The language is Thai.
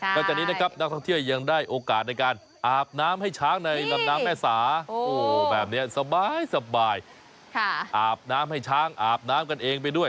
แล้วจากนี้นะครับนักท่องเที่ยวยังได้โอกาสในการอาบน้ำให้ช้างในลำน้ำแม่สาแบบนี้สบายอาบน้ำให้ช้างอาบน้ำกันเองไปด้วย